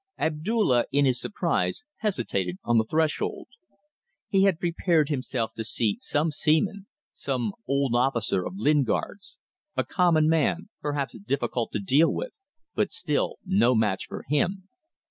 Abdulla, in his surprise, hesitated on the threshold. He had prepared himself to see some seaman some old officer of Lingard's; a common man perhaps difficult to deal with, but still no match for him.